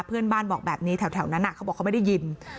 เพื่อนบ้านบอกแบบนี้แถวนั้นเขาบอกเขาไม่ได้ยิน